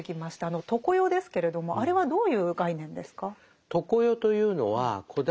あの「常世」ですけれどもあれはどういう概念ですか？